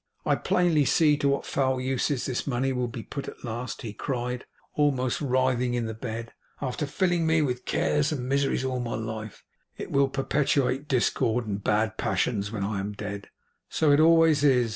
I plainly see to what foul uses all this money will be put at last,' he cried, almost writhing in the bed; 'after filling me with cares and miseries all my life, it will perpetuate discord and bad passions when I am dead. So it always is.